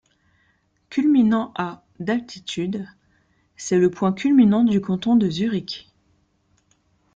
Culminant à d'altitude, c'est le point culminant du canton de Zurich.